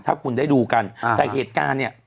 ถ้าคุณได้ดูกันแต่เหตุการณ์เนี่ย